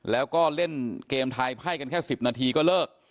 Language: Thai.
แล้วก็เล่นเกมไทยไพ่กันแค่๑๐นาทีก็เลิก